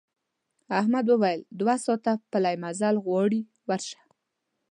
احمد وویل دوه ساعته پلی مزل غواړي ورشه.